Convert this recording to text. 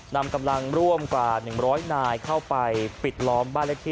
นำกำลังร่วมกว่า๑๐๐นายเข้าไปปิดล้อมบ้านเลขที่